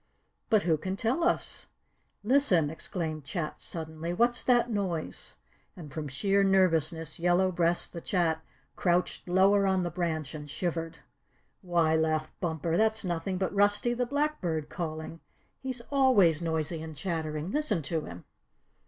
"But who can tell us?" "Listen!" exclaimed Chat suddenly. "What's that noise?" And from sheer nervousness Yellow Breast the Chat crouched lower on the branch and shivered. "Why," laughed Bumper, "that's nothing but Rusty the Blackbird calling! He's always noisy and chattering. Listen to him!"